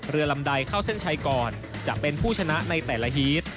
เรือลำใดเข้าเส้นชัยก่อนจะเป็นผู้ชนะในแต่ละฮีต